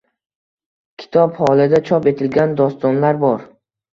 Kitob holida chop etilgan dostonlar bor.